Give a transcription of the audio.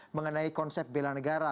mengenai konsep belan negara